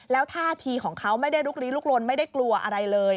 แล้วท่าทีของเขาไม่ได้ลุกลี้ลุกลนไม่ได้กลัวอะไรเลย